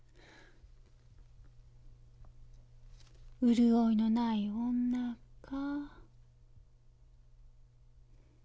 「潤いのない女」か。